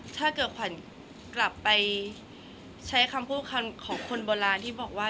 ถ้าเกิดขวัญกลับไปใช้คำพูดคำของคนโบราณที่บอกว่า